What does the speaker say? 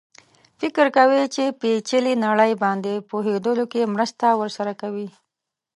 فکر کوي چې پېچلې نړۍ باندې پوهېدلو کې مرسته ورسره کوي.